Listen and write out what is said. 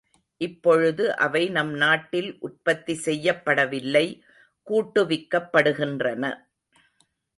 இப்பொழுது அவை நம் நாட்டில் உற்பத்தி செய்யப்படவில்லை கூட்டுவிக்கப்படுகின்றன.